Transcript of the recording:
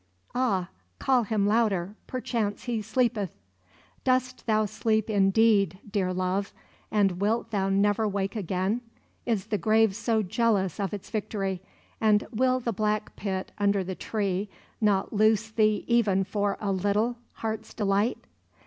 "Ah, call Him louder; perchance He sleepeth! "Dost Thou sleep indeed, dear love; and wilt Thou never wake again? Is the grave so jealous of its victory; and will the black pit under the tree not loose Thee even for a little, heart's delight?"